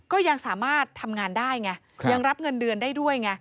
ก็ยังสามารถทำงานได้ไงยังรับเงินเดือนได้ด้วยไง